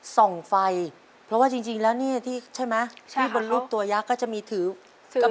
ส่องไฟเพราะว่าจริงแล้วที่บนรูปตัวยักษ์ก็จะมีถือกระบอส